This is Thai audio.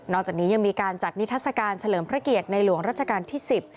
จากนี้ยังมีการจัดนิทัศกาลเฉลิมพระเกียรติในหลวงรัชกาลที่สิบ